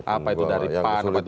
apa itu dari pan apa itu dari pks